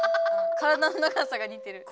体の長さがにてる。